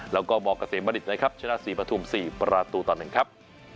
แล้วก็มเกษมบัณฑิตนะครับชนะ๔ปฐุม๔ประตูต่อ๑ครับ